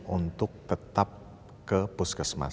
untuk tetap ke puskesmas